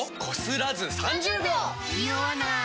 ニオわない！